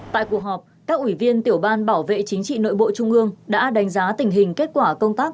tại cuộc họp các ủy viên tiểu ban bảo vệ chính trị nội bộ trung ương đã đánh giá tình hình kết quả công tác